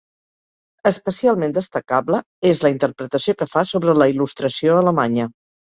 Especialment destacable és la interpretació que fa sobre la il·lustració alemanya.